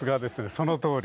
そのとおり。